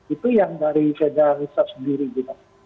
itu yang dari federal reserve sendiri gitu